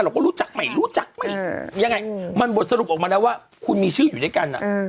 เราก็รู้จักใหม่รู้จักไม่ยังไงมันบทสรุปออกมาแล้วว่าคุณมีชื่ออยู่ด้วยกัน